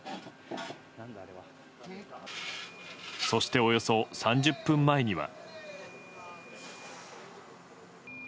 そして、およそ３０分前には。